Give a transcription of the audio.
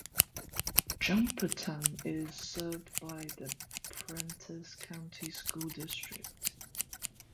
Jumpertown is served by the Prentiss County School District.